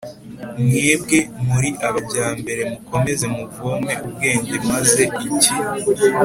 Mwebwe muri abajyambere mukomeze muvome ubwenge maze iki